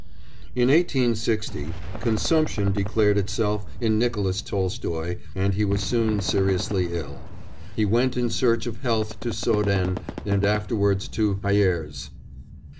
In 1860 consumption declared itself in Nicolas Tolstoy and he was soon seriously ill; he went in search of health to Soden and afterwards to Hyères.